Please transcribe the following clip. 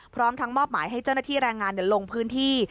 พร้อมทั้งมอบหมายให้เจ้าหน้าที่แรงงานลงพื้นที่